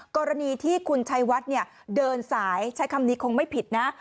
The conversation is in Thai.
กรณีที่คุณชัยวัดเนี่ยเดินสายใช้คำนี้คงไม่ผิดนะ